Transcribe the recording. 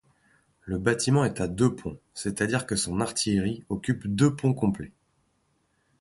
Le bâtiment est à deux ponts, c’est-à-dire que son artillerie occupe deux ponts complets.